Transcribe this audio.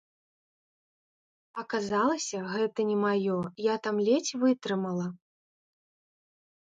Аказалася, гэта не маё, я там ледзь вытрымала.